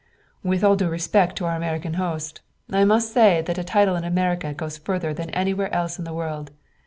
"With all due respect to our American host, I must say that a title in America goes further than anywhere else in the world.